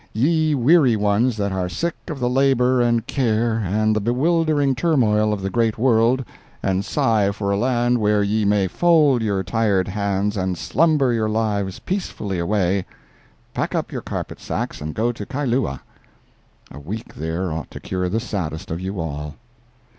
Ye weary ones that are sick of the labor and care, and the bewildering turmoil of the great world, and sigh for a land where ye may fold your tired hands and slumber your lives peacefully away, pack up your carpet sacks and go to Kailua! A week there ought to cure the saddest of you all.